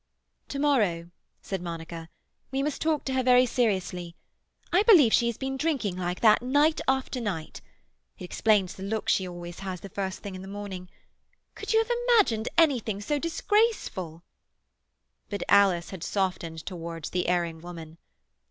"To morrow," said Monica, "we must talk to her very seriously. I believe she has been drinking like that night after night. It explains the look she always has the first thing in the morning. Could you have imagined anything so disgraceful?" But Alice had softened towards the erring woman.